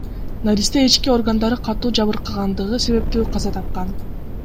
Наристе ички органдары катуу жабыркагандыгы себептүү каза тапкан.